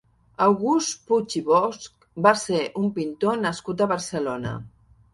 August Puig i Bosch va ser un pintor nascut a Barcelona.